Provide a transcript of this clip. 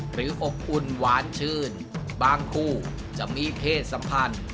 อบอุ่นหวานชื่นบางคู่จะมีเพศสัมพันธ์